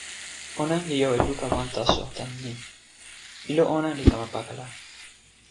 ona li jo e luka wan taso tan ni: ilo ona li kama pakala.